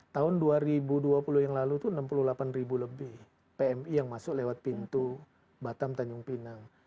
tahun dua ribu dua puluh yang lalu itu enam puluh delapan ribu lebih pmi yang masuk lewat pintu batam tanjung pinang